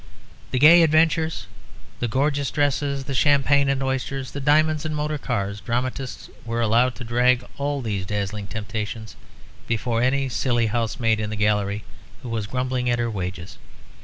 The gay adventures, the gorgeous dresses, the champagne and oysters, the diamonds and motor cars, dramatists were allowed to drag all these dazzling temptations before any silly housemaid in the gallery who was grumbling at her wages.